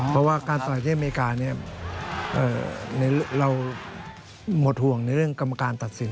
เพราะว่าการสมัครที่อเมริกาเราหมดห่วงในเรื่องกรรมการตัดสิน